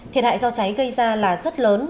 thiệt hại do cháy gây ra là rất lớn